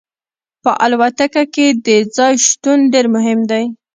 په الوتکه کې د ځای شتون ډیر مهم دی